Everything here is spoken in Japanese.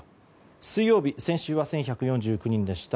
水曜日、先週は１１４９人でした。